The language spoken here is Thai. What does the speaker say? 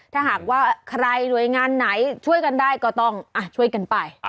ถ้าหากว่าใครหน่วยงานไหนช่วยกันได้ก็ต้องช่วยกันไป